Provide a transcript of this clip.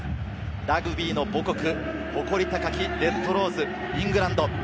ラグビーの母国、誇り高きレッドローズ、イングランド。